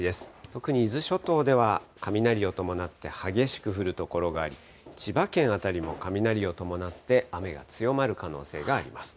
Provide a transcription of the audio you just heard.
特に伊豆諸島では雷を伴って激しく降る所があり、千葉県辺りも雷を伴って雨が強まる可能性があります。